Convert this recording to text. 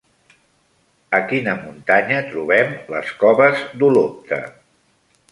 A quina muntanya trobem les coves d'Olopte?